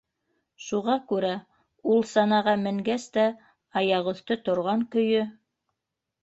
Шуға күрә ул санаға менгәс тә аяғөҫтө торған көйө: